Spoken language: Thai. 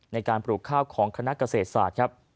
ในการปลูกข้าวของคณะเกษตรศาสตร์ครับ